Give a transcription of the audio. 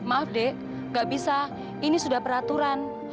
maaf dek gak bisa ini sudah peraturan